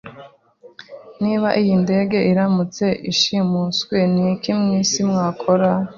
Niba iyi ndege iramutse ishimuswe, niki mwisi mwakora?